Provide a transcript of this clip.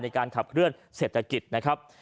ในการขับเคลื่อนเศรษฐกิจนะครับ